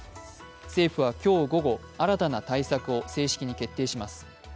政府は今日午後、新たな対策を正式に決定します。